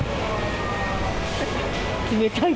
冷たい。